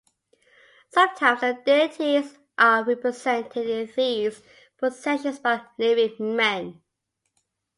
Sometimes the deities are represented in these processions by living men.